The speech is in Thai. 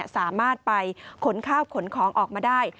สามารถไปขนข้าวขนของออกมาได้